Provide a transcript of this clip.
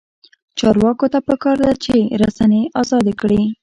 چارواکو ته پکار ده چې، رسنۍ ازادې کړي.